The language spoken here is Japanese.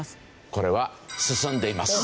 これは進んでいます。